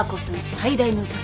最大の武器。